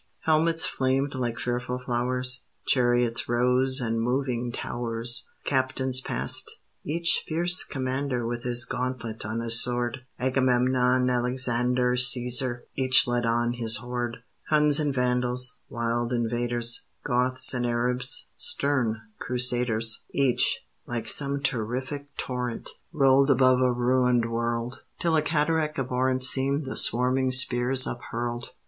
Helmets flamed like fearful flowers; Chariots rose and moving towers; Captains passed; each fierce commander With his gauntlet on his sword: Agamemnon, Alexander, Cæsar, each led on his horde. Huns and Vandals; wild invaders: Goths and Arabs; stern Crusaders: Each, like some terrific torrent, Rolled above a ruined world; Till a cataract abhorrent Seemed the swarming spears uphurled.